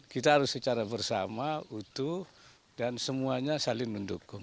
kita harus secara bersama utuh dan semuanya saling mendukung